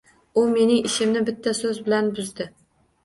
U mening ishimni bitta so'z bilan buzdi.